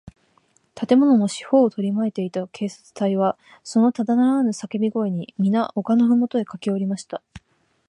建物の四ほうをとりまいていた警官隊は、そのただならぬさけび声に、みな丘のふもとへかけおりました。